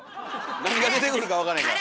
何が出てくるかわからへんから。